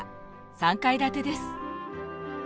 ３階建てです。